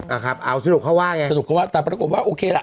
ครับเอาสรุปเขาว่าไงสรุปเขาว่าแต่ปรากฏว่าโอเคล่ะ